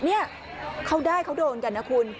นี่เขาได้เขาโดนกันนะคุณ